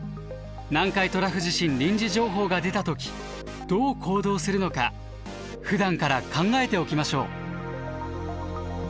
南海トラフ地震臨時情報が出た時どう行動するのかふだんから考えておきましょう。